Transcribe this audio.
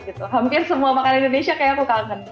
mungkin semua makanan indonesia kayaknya aku kangen